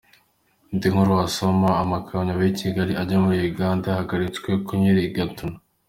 Indi nkuru wasoma: Amakamyo ava i Kigali ajya muri Uganda yahagaritswe kunyura i Gatuna.